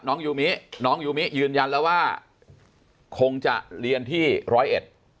ยูมิน้องยูมิยืนยันแล้วว่าคงจะเรียนที่ร้อยเอ็ด